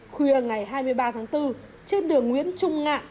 khuya ngày hai mươi ba tháng bốn trên đường nguyễn trung ngạn